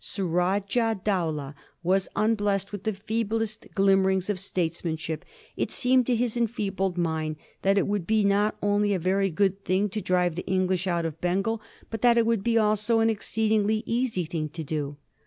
Sarajab Dowlab was unblessed witb tbe faintest glimmerings of statesmansbip; it seemed to bis enfeebled mind tbat it would be not only a yery good tbing to drive tbe Englisb out of Bengal, but tbat it would be also an exceedingly easy tbing to do.